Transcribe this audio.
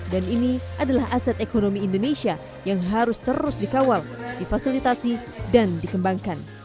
dan ini adalah aset ekonomi indonesia yang harus terus dikawal difasilitasi dan dikembangkan